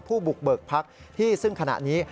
ผู้บุกเบิกพักที่ซึ่งขณะนี้